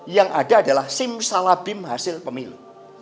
yang ada adalah sim salabim hasil pemilu